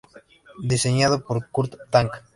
Diseñado por Kurt Tank.